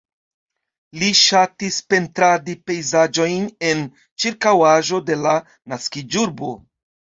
Li ŝatis pentradi pejzaĝojn en ĉirkaŭaĵo de la naskiĝurbo.